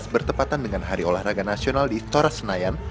bertepatan dengan hari olahraga nasional di tora senayan